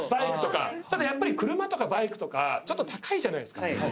ただやっぱり車とかバイクとかちょっと高いじゃないですか。